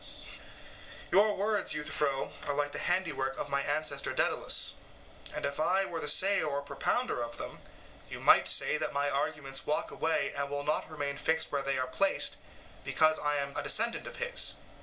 SOCRATES: Your words, Euthyphro, are like the handiwork of my ancestor Daedalus; and if I were the sayer or propounder of them, you might say that my arguments walk away and will not remain fixed where they are placed because I am a descendant of his.